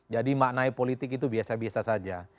jadi maknai politik itu biasa biasa saja